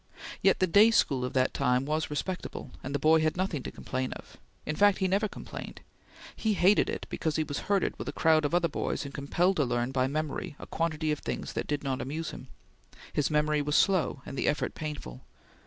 Yet the day school of that time was respectable, and the boy had nothing to complain of. In fact, he never complained. He hated it because he was here with a crowd of other boys and compelled to learn by memory a quantity of things that did not amuse him. His memory was slow, and the effort painful.